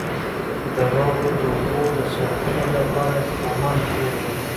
د واورو د اوبو د ساتنې لپاره اقدامات کېږي.